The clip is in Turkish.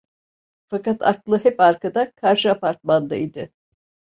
Fakat aklı hep arkada, karşı apartmanda idi.